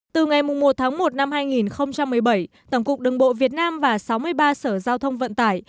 từ ngày một tháng một năm hai nghìn một mươi bảy tổng cục đường bộ việt nam và sáu mươi ba sở giao thông vận tải